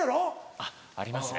あっありますね。